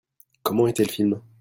Comment était le film ?